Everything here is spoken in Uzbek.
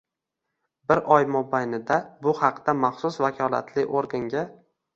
bir oy mobaynida bu haqda maxsus vakolatli organga